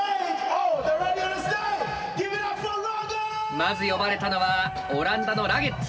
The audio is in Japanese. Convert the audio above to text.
まず呼ばれたのはオランダのラゲッズ。